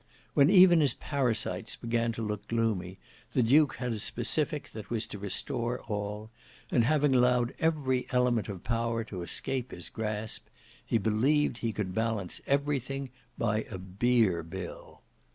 When even his parasites began to look gloomy, the duke had a specific that was to restore all, and having allowed every element of power to escape his grasp, he believed he could balance everything by a beer bill.